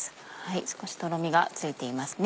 少しとろみがついていますね。